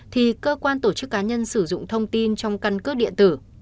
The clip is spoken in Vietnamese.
thì cơ quan tổ chức cá nhân sử dụng thông tin trong căn cước điện tử